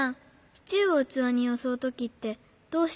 シチューをうつわによそうときってどうしてる？